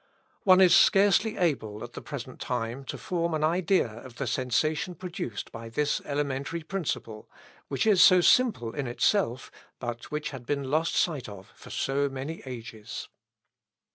One is scarcely able at the present time to form an idea of the sensation produced by this elementary principle, which is so simple in itself, but which had been lost sight of for so many ages.